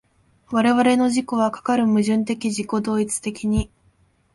我々の自己はかかる矛盾的自己同一的に